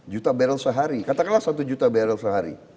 satu dua satu tiga juta barrel sehari katakanlah satu juta barrel sehari